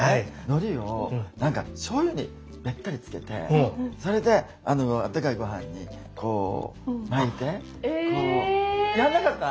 のりをしょうゆにべったりつけてそれであったかいごはんにこう巻いてこうやんなかった？